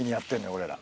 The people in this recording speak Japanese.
俺ら。